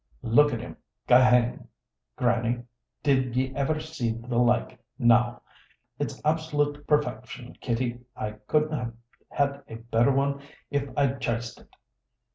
Look at him! Guy heng, Grannie, did ye ever see the like, now! It's abs'lute perfection. Kitty, I couldn't have had a better one if I'd chiced it.